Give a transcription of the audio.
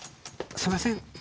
すいません